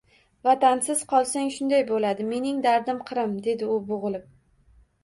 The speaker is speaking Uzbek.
— Vatansiz qolsang shunday bo’ladi, mening dardim Qrim… – derdi u bo’g’ilib.